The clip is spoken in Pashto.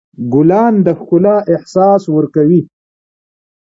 ګلان د ښکلا احساس ورکوي.